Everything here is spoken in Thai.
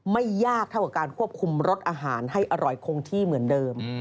ไม่ยากเท่ากับการควบคุมรสอาหารให้อร่อยคงที่เหมือนเดิม